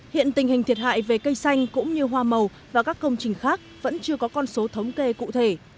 hiện tình hình thiệt hại về cây xanh cũng như hoa màu và các công trình khác vẫn chưa có con số thống kê cụ thể